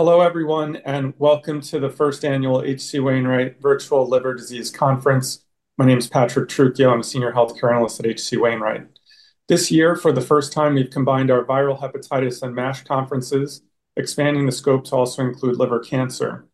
Hello everyone, and welcome to the first annual H.C. Wainwright Virtual Liver Disease Conference. My name is Patrick Trucchio. I'm a Senior Health Care Analyst at HC Wainwright. This year, for the first time, we've combined our viral hepatitis and MASH conferences, expanding the scope to also include liver cancer.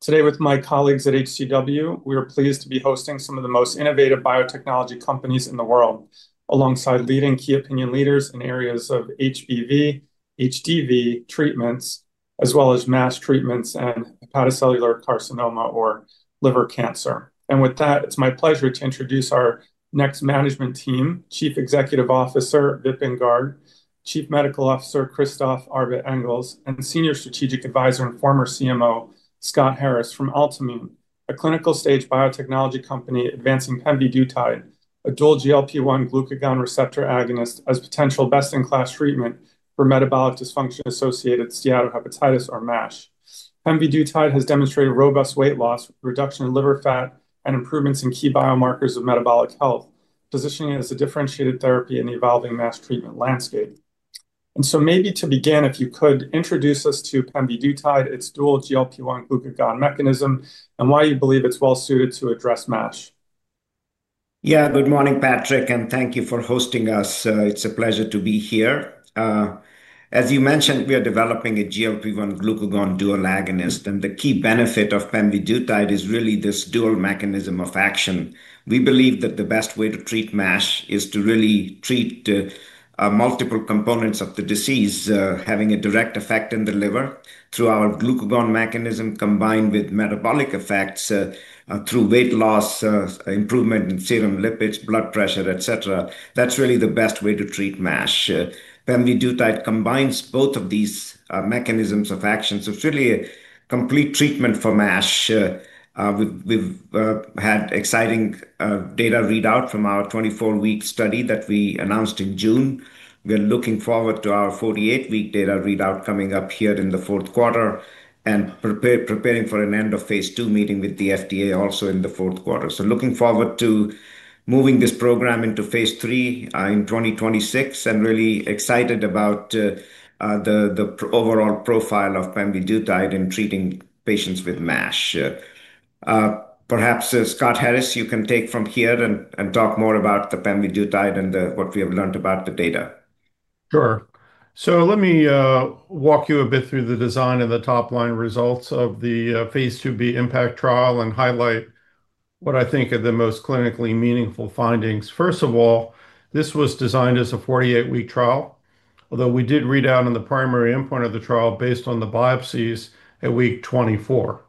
Today, with my colleagues at HC Wainwright, we are pleased to be hosting some of the most innovative biotechnology companies in the world, alongside leading key opinion leaders in areas of HBV, HDV treatments, as well as MASH treatments and hepatocellular carcinoma or liver cancer. It's my pleasure to introduce our next management team, Chief Executive Officer Vipin Garg, Chief Medical Officer Christophe Arbet-Engels, and Senior Strategic Advisor and former Chief Medical Officer Scott Harris from Altimmune, a clinical-stage biotechnology company advancing pemvidutide, a dual GLP-1/glucagon receptor agonist, as a potential best-in-class treatment for metabolic dysfunction-associated steatohepatitis or MASH. Pemvidutide has demonstrated robust weight loss, reduction in liver fat, and improvements in key biomarkers of metabolic health, positioning it as a differentiated therapy in the evolving MASH treatment landscape. Maybe to begin, if you could introduce us to pemvidutide, its dual GLP-1/glucagon mechanism, and why you believe it's well-suited to address MASH. Yeah, good morning, Patrick, and thank you for hosting us. It's a pleasure to be here. As you mentioned, we are developing a GLP-1/glucagon dual agonist, and the key benefit of pemvidutide is really this dual mechanism of action. We believe that the best way to treat MASH is to really treat multiple components of the disease, having a direct effect in the liver through our glucagon mechanism, combined with metabolic effects through weight loss, improvement in serum lipids, blood pressure, et cetera. That's really the best way to treat MASH. Pemvidutide combines both of these mechanisms of action, so it's really a complete treatment for MASH. We've had exciting data readout from our 24-week study that we announced in June. We are looking forward to our 48-week data readout coming up here in the fourth quarter and preparing for an end of phase II meeting with the FDA also in the fourth quarter. Looking forward to moving this program into phase III in 2026 and really excited about the overall profile of pemvidutide in treating patients with MASH. Perhaps, Scott Harris, you can take from here and talk more about the pemvidutide and what we have learned about the data. Sure. Let me walk you a bit through the design and the top-line results of the phase IIb IMPACT trial and highlight what I think are the most clinically meaningful findings. First of all, this was designed as a 48-week trial, although we did read out on the primary endpoint of the trial based on the biopsies at week 24.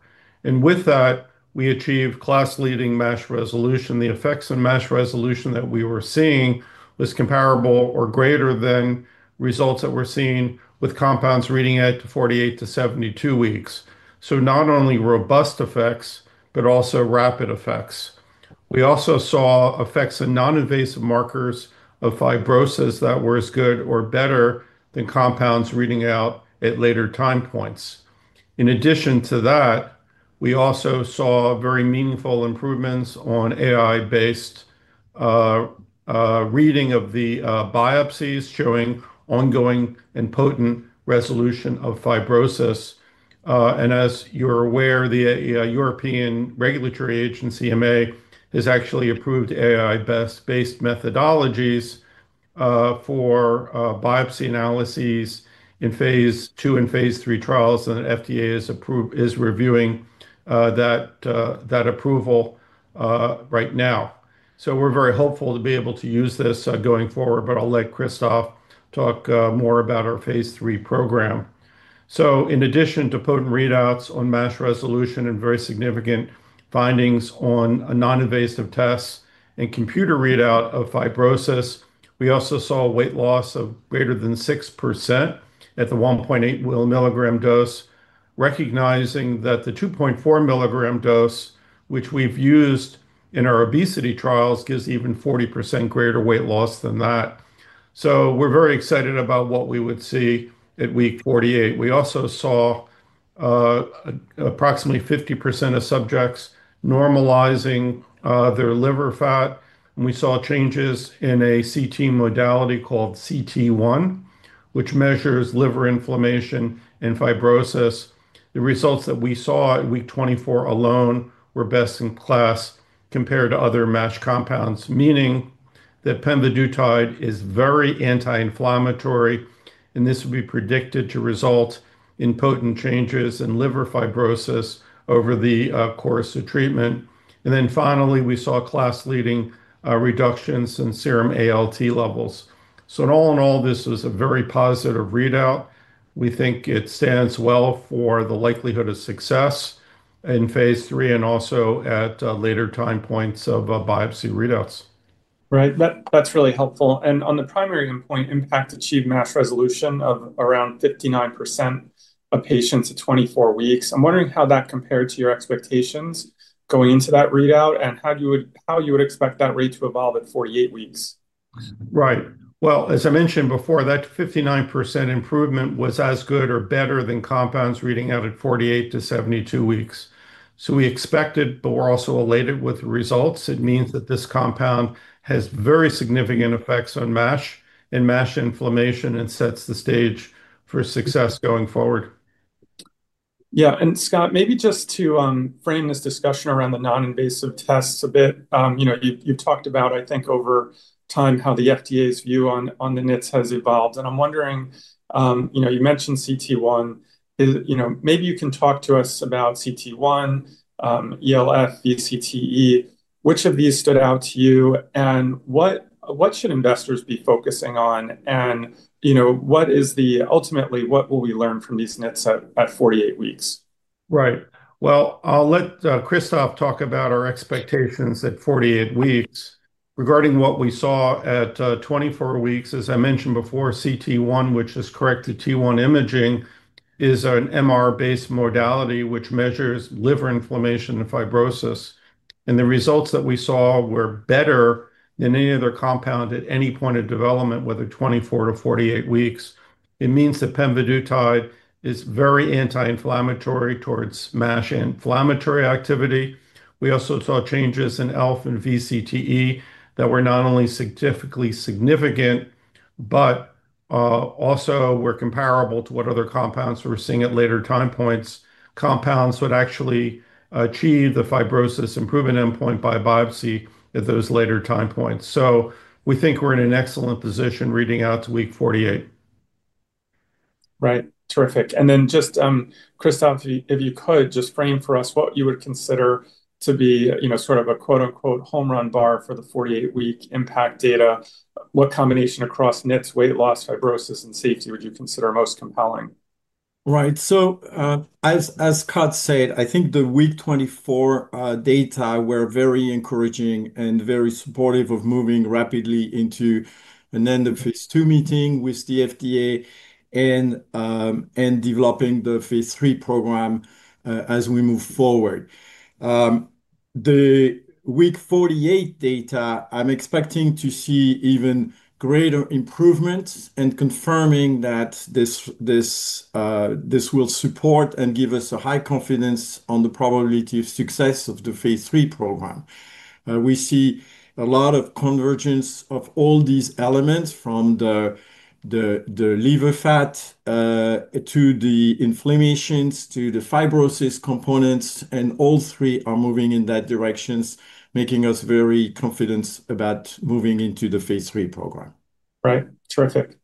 With that, we achieved class-leading MASH resolution. The effects in MASH resolution that we were seeing were comparable or greater than results that we're seeing with compounds reading out to 48-72 weeks. Not only robust effects, but also rapid effects. We also saw effects in non-invasive markers of fibrosis that were as good or better than compounds reading out at later time points. In addition to that, we also saw very meaningful improvements on AI-based reading of the biopsies, showing ongoing and potent resolution of fibrosis. As you're aware, the European Medicines Agency, EMA, has actually approved AI-based methodologies for biopsy analyses in phase II and phase III trials, and the FDA is reviewing that approval right now. We're very hopeful to be able to use this going forward, but I'll let Christophe talk more about our phase III program. In addition to potent readouts on MASH resolution and very significant findings on non-invasive tests and computer readout of fibrosis, we also saw weight loss of greater than 6% at the 1.8 mg dose, recognizing that the 2.4 mg dose, which we've used in our obesity trials, gives even 40% greater weight loss than that. We're very excited about what we would see at week 48. We also saw approximately 50% of subjects normalizing their liver fat, and we saw changes in a CT modality called CT1, which measures liver inflammation and fibrosis. The results that we saw at week 24 alone were best in class compared to other MASH compounds, meaning that pemvidutide is very anti-inflammatory, and this would be predicted to result in potent changes in liver fibrosis over the course of treatment. Finally, we saw class-leading reductions in serum ALT levels. All in all, this was a very positive readout. We think it stands well for the likelihood of success in phase III and also at later time points of biopsy readouts. Right, that's really helpful. On the primary endpoint, IMPACT achieved MASH resolution of around 59% of patients at 24 weeks. I'm wondering how that compared to your expectations going into that readout and how you would expect that rate to evolve at 48 weeks. As I mentioned before, that 59% improvement was as good or better than compounds reading out at 48-72 weeks. We expect it, but we're also elated with the results. It means that this compound has very significant effects on MASH and MASH inflammation and sets the stage for success going forward. Yeah, and Scott, maybe just to frame this discussion around the non-invasive tests a bit. You've talked about, I think, over time how the FDA's view on the NITs has evolved. I'm wondering, you mentioned CT1. Maybe you can talk to us about CT1, ELF, VCTE. Which of these stood out to you, and what should investors be focusing on? What is the ultimately, what will we learn from these NITs at 48 weeks? Right. I'll let Christophe talk about our expectations at 48 weeks. Regarding what we saw at 24 weeks, as I mentioned before, CT1, which is corrected T1 imaging, is an MR-based modality which measures liver inflammation and fibrosis. The results that we saw were better than any other compound at any point of development, whether 24 to 48 weeks. It means that pemvidutide is very anti-inflammatory towards MASH inflammatory activity. We also saw changes in ELF and VCTE that were not only statistically significant, but also were comparable to what other compounds were seeing at later time points. Compounds would actually achieve the fibrosis improvement endpoint by biopsy at those later time points. We think we're in an excellent position reading out to week 48. Right, terrific. Christophe, if you could just frame for us what you would consider to be sort of a quote unquote home run bar for the 48-week IMPACT data. What combination across NITs, weight loss, fibrosis, and safety would you consider most compelling? Right. As Scott said, I think the week 24 data were very encouraging and very supportive of moving rapidly into an end of phase II meeting with the FDA and developing the phase III program as we move forward. The week 48 data, I'm expecting to see even greater improvements and confirming that this will support and give us a high confidence on the probability of success of the phase III program. We see a lot of convergence of all these elements from the liver fat to the inflammations to the fibrosis components, and all three are moving in that direction, making us very confident about moving into the phase III program. Right, terrific.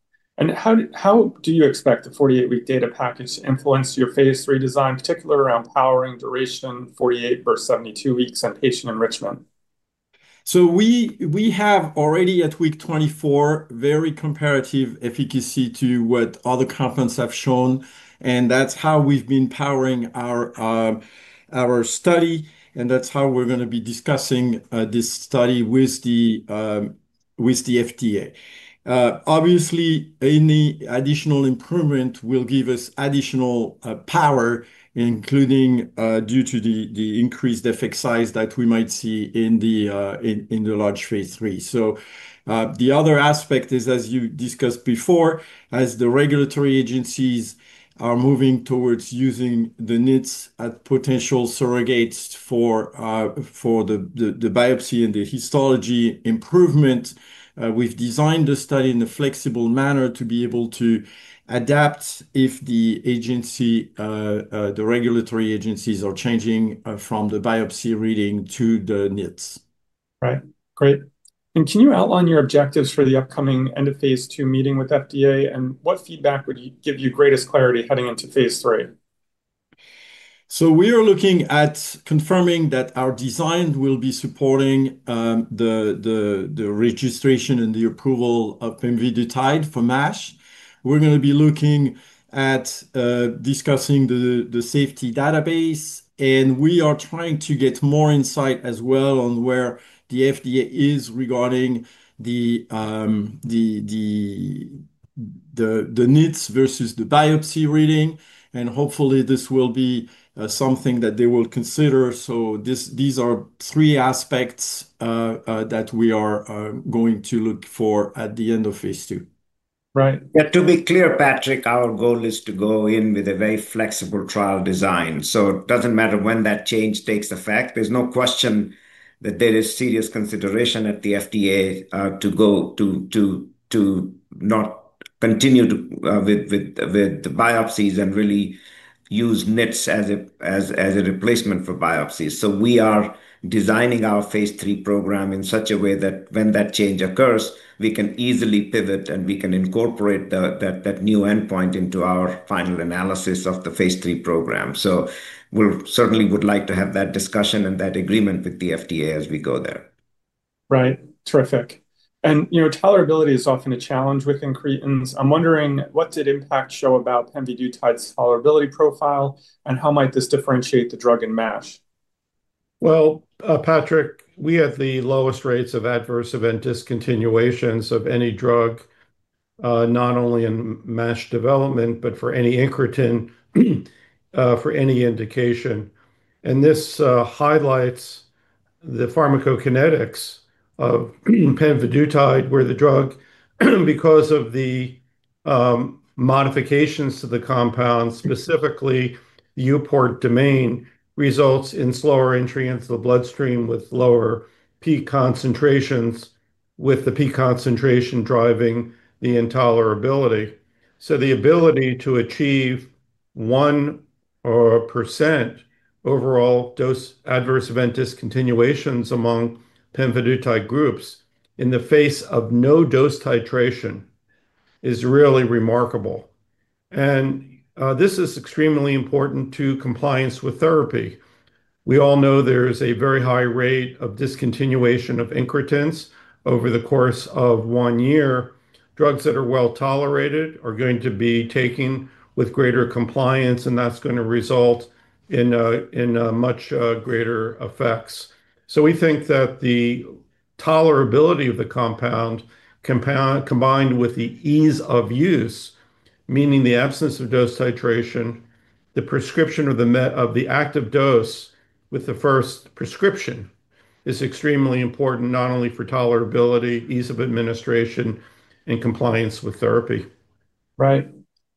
How do you expect the 48-week data package to influence your phase III design, particularly around powering, duration, 48 versus 72 weeks, and patient enrichment? We have already at week 24 very comparative efficacy to what other compounds have shown, and that's how we've been powering our study, and that's how we're going to be discussing this study with the FDA. Obviously, any additional improvement will give us additional power, including due to the increased effect size that we might see in the large phase III. The other aspect is, as you discussed before, as the regulatory agencies are moving towards using the NITs as potential surrogates for the biopsy and the histology improvement, we've designed the study in a flexible manner to be able to adapt if the regulatory agencies are changing from the biopsy reading to the NITs. Right, great. Can you outline your objectives for the upcoming end of phase II meeting with the FDA? What feedback would give you greatest clarity heading into phase III? We are looking at confirming that our design will be supporting the registration and the approval of pemvidutide for MASH. We are going to be looking at discussing the safety database, and we are trying to get more insight as well on where the FDA is regarding the NITs versus the biopsy reading, and hopefully this will be something that they will consider. These are three aspects that we are going to look for at the end of phase II. Right. Yeah, to be clear, Patrick, our goal is to go in with a very flexible trial design. It doesn't matter when that change takes effect. There is no question that there is serious consideration at the FDA to not continue with the biopsies and really use NITs as a replacement for biopsies. We are designing our phase III program in such a way that when that change occurs, we can easily pivot and incorporate that new endpoint into our final analysis of the phase III program. We certainly would like to have that discussion and that agreement with the FDA as we go there. Right, terrific. You know tolerability is often a challenge with incretins. I'm wondering, what did IMPACT show about pemvidutide's tolerability profile, and how might this differentiate the drug in MASH? Patrick, we had the lowest rates of adverse event discontinuations of any drug, not only in MASH development, but for any incretin, for any indication. This highlights the pharmacokinetics of pemvidutide, where the drug, because of the modifications to the compound, specifically the albumin domain, results in slower entry into the bloodstream with lower peak concentrations, with the peak concentration driving the intolerability. The ability to achieve 1% overall dose adverse event discontinuations among pemvidutide groups in the face of no dose titration is really remarkable. This is extremely important to compliance with therapy. We all know there's a very high rate of discontinuation of incretins over the course of one year. Drugs that are well tolerated are going to be taken with greater compliance, and that's going to result in much greater effects. We think that the tolerability of the compound, combined with the ease of use, meaning the absence of dose titration, the prescription of the active dose with the first prescription, is extremely important, not only for tolerability, ease of administration, and compliance with therapy.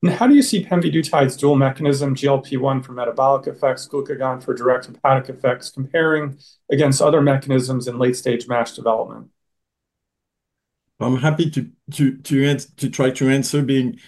Right. How do you see pemvidutide's dual mechanism, GLP-1 for metabolic effects, glucagon for direct hepatic effects, comparing against other mechanisms in late-stage MASH development? I'm happy to try to answer, being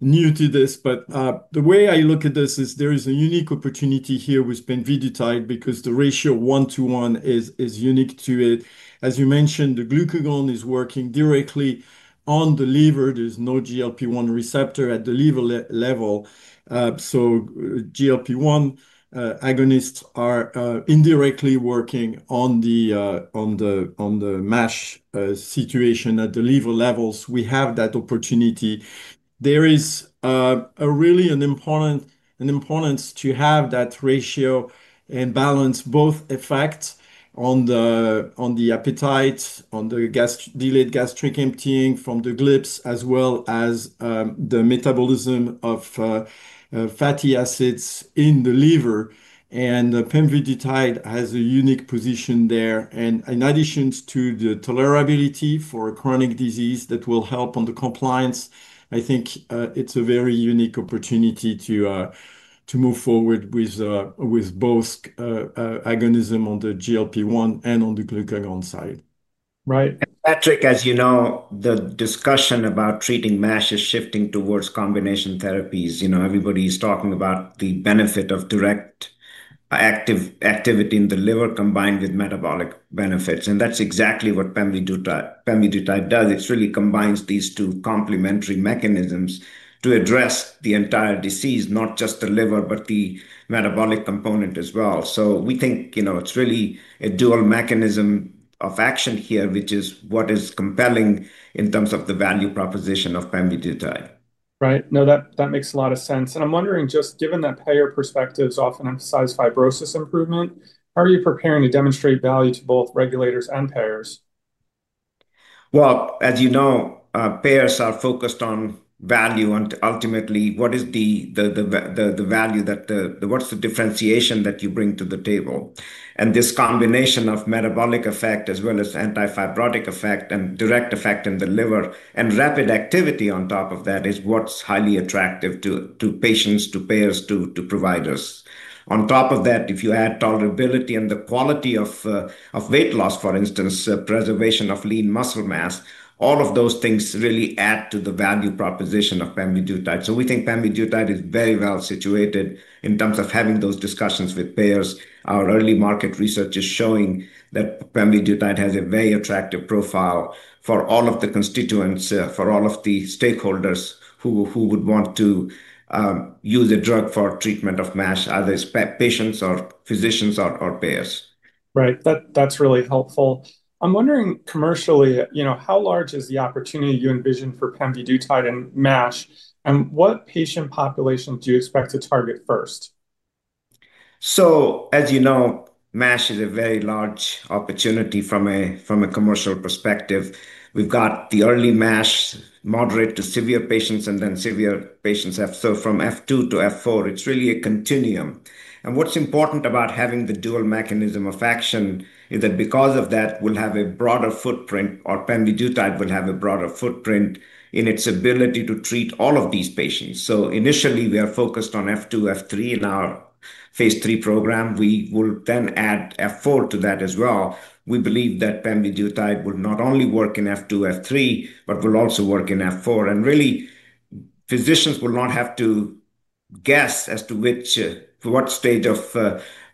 new to this, but the way I look at this is there is a unique opportunity here with pemvidutide because the ratio 1:1 is unique to it. As you mentioned, the glucagon is working directly on the liver. There's no GLP-1 receptor at the liver level. GLP-1 agonists are indirectly working on the MASH situation at the liver levels. We have that opportunity. There is really an importance to have that ratio and balance both effects on the appetite, on the delayed gastric emptying from the GLP-1s, as well as the metabolism of fatty acids in the liver. Pemvidutide has a unique position there. In addition to the tolerability for a chronic disease that will help on the compliance, I think it's a very unique opportunity to move forward with both agonism on the GLP-1 and on the glucagon side. Right. Patrick, as you know, the discussion about treating MASH is shifting towards combination therapies. Everybody's talking about the benefit of direct active activity in the liver combined with metabolic benefits. That's exactly what pemvidutide does. It really combines these two complementary mechanisms to address the entire disease, not just the liver, but the metabolic component as well. We think it's really a dual mechanism of action here, which is what is compelling in terms of the value proposition of pemvidutide. Right. That makes a lot of sense. I'm wondering, just given that payer perspectives often emphasize fibrosis improvement, how are you preparing to demonstrate value to both regulators and payers? As you know, payers are focused on value, and ultimately, what is the value, what's the differentiation that you bring to the table? This combination of metabolic effect, as well as anti-fibrotic effect and direct effect in the liver and rapid activity on top of that, is what's highly attractive to patients, to payers, to providers. On top of that, if you add tolerability and the quality of weight loss, for instance, preservation of lean muscle mass, all of those things really add to the value proposition of pemvidutide. We think pemvidutide is very well situated in terms of having those discussions with payers. Our early market research is showing that pemvidutide has a very attractive profile for all of the constituents, for all of the stakeholders who would want to use a drug for treatment of MASH, either patients or physicians or payers. Right, that's really helpful. I'm wondering, commercially, you know, how large is the opportunity you envision for pemvidutide in MASH, and what patient population do you expect to target first? As you know, MASH is a very large opportunity from a commercial perspective. We've got the early MASH, moderate to severe patients, and then severe patients from F2 to F4. It's really a continuum. What's important about having the dual mechanism of action is that because of that, we'll have a broader footprint, or pemvidutide will have a broader footprint in its ability to treat all of these patients. Initially, we are focused on F2, F3 in our phase III program. We will then add F4 to that as well. We believe that pemvidutide will not only work in F2, F3, but will also work in F4. Physicians will not have to guess as to which, what stage of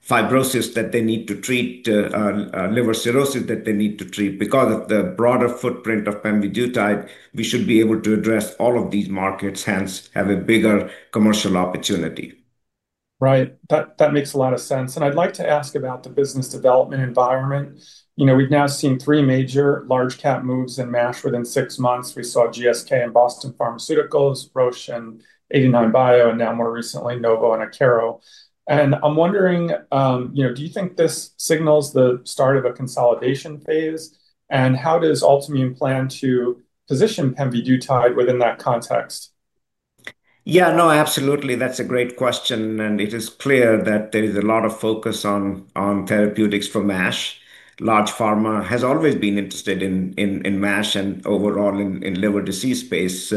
fibrosis that they need to treat, liver cirrhosis that they need to treat. Because of the broader footprint of pemvidutide, we should be able to address all of these markets, hence have a bigger commercial opportunity. Right, that makes a lot of sense. I'd like to ask about the business development environment. We've now seen three major large-cap moves in MASH within six months. We saw GSK and Boston Pharmaceuticals, Roche and 89Bio, and now more recently, Novo and Akero. Do you think this signals the start of a consolidation phase? How does Altimmune plan to position pemvidutide within that context? Yeah, no, absolutely, that's a great question. It is clear that there is a lot of focus on therapeutics for MASH. Large pharma has always been interested in MASH and overall in the liver disease space.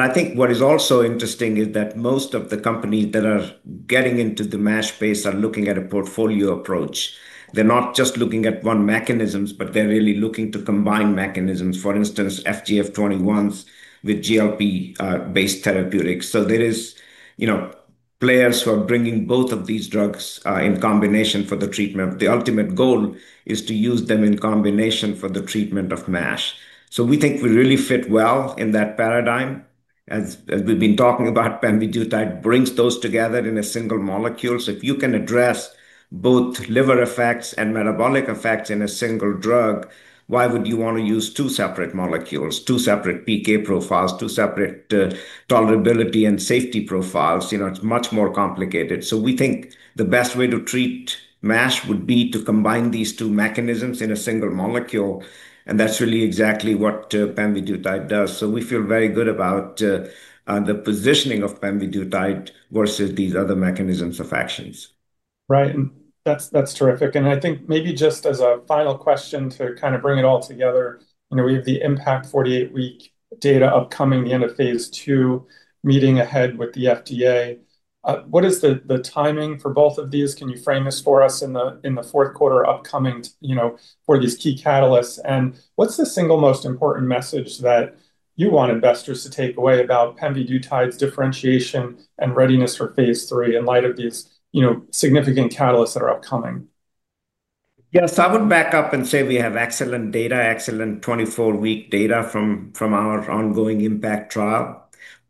I think what is also interesting is that most of the companies that are getting into the MASH space are looking at a portfolio approach. They're not just looking at one mechanism, but they're really looking to combine mechanisms, for instance, FGF21s with GLP-based therapeutics. There are players who are bringing both of these drugs in combination for the treatment. The ultimate goal is to use them in combination for the treatment of MASH. We think we really fit well in that paradigm. As we've been talking about, pemvidutide brings those together in a single molecule. If you can address both liver effects and metabolic effects in a single drug, why would you want to use two separate molecules, two separate PK profiles, two separate tolerability and safety profiles? It's much more complicated. We think the best way to treat MASH would be to combine these two mechanisms in a single molecule. That's really exactly what pemvidutide does. We feel very good about the positioning of pemvidutide versus these other mechanisms of action. Right, that's terrific. I think maybe just as a final question to kind of bring it all together, you know, we have the IMPACT 48-week data upcoming, the end of phase II meeting ahead with the FDA. What is the timing for both of these? Can you frame this for us in the fourth quarter upcoming for these key catalysts? What's the single most important message that you want investors to take away about pemvidutide's differentiation and readiness for phase III in light of these significant catalysts that are upcoming? Yes, I would back up and say we have excellent data, excellent 24-week data from our ongoing IMPACT trial.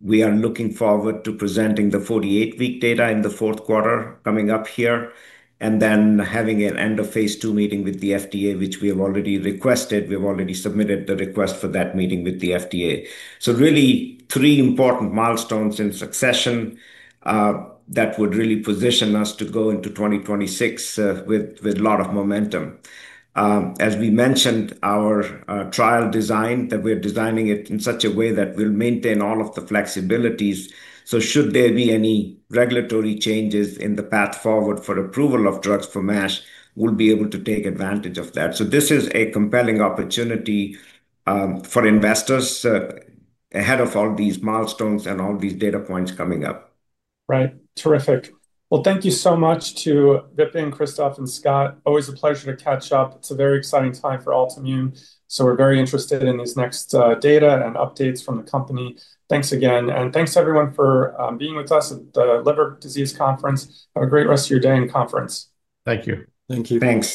We are looking forward to presenting the 48-week data in the fourth quarter coming up here and then having an end of phase II meeting with the FDA, which we have already requested. We have already submitted the request for that meeting with the FDA. Really, three important milestones in succession that would really position us to go into 2026 with a lot of momentum. As we mentioned, our trial design, that we're designing it in such a way that we'll maintain all of the flexibilities. Should there be any regulatory changes in the path forward for approval of drugs for MASH, we'll be able to take advantage of that. This is a compelling opportunity for investors ahead of all these milestones and all these data points coming up. Right, terrific. Thank you so much to Vipin, Christophe, and Scott. Always a pleasure to catch up. It's a very exciting time for Altimmune. We're very interested in these next data and updates from the company. Thanks again. Thanks everyone for being with us at the Liver Disease Conference. Have a great rest of your day and conference. Thank you. Thank you. Thanks.